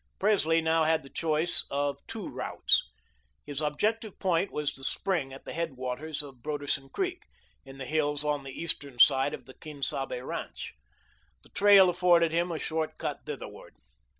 Presley now had the choice of two routes. His objective point was the spring at the headwaters of Broderson Creek, in the hills on the eastern side of the Quien Sabe ranch. The trail afforded him a short cut thitherward.